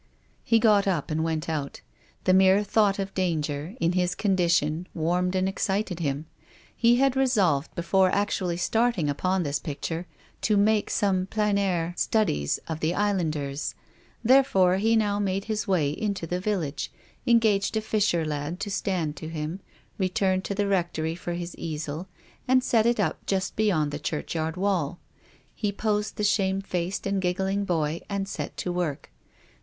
He got up and went out. The mere thought of danger, in his condition, warmed and excited him. He iiad resolved before actually starting upon his picture to make some plciii air studies of the islanders. Tiicrefore he now made his way into the village, engaged a fisher lad to stand to him, returned to the rectory for his easel and set it up just beyond the churchyard wall. He posed the shamefaced and giggling boy and set to work.